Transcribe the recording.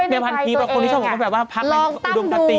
ในภาคทีเป็นคนที่ชอบบอกว่าว่าพักธุรกิจอุดมกติ